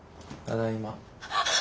ただいま。